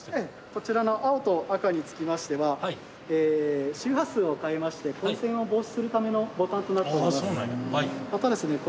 こちらの青と赤につきましては周波数を変えまして混線を防止するためのボタンとなっております。